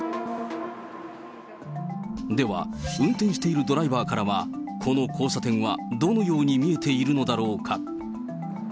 では運転しているドライバーからは、この交差点はどのように見えているのだろうか。